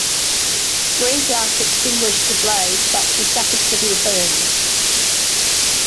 Greenglass extinguished the blaze, but she suffered severe burns.